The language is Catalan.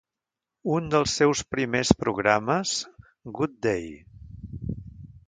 Un dels seus primers programes, "Good Day!".